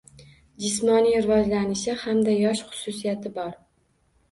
Jismoniy rivojlanishi hamda yosh xususiyati bor.